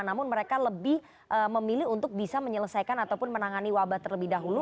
namun mereka lebih memilih untuk bisa menyelesaikan ataupun menangani wabah terlebih dahulu